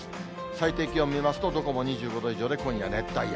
最低気温見ますと、どこも２５度以上で今夜熱帯夜。